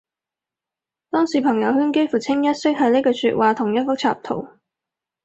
當時朋友圈幾乎清一色係呢句說話同一幅插圖